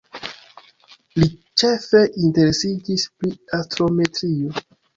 Li ĉefe interesiĝis pri astrometrio.